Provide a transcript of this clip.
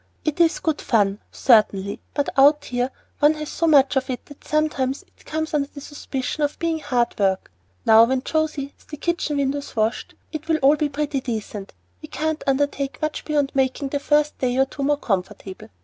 "It is good fun, certainly; but out here one has so much of it that sometimes it comes under the suspicion of being hard work. Now, when José has the kitchen windows washed it will all be pretty decent. We can't undertake much beyond making the first day or two more comfortable.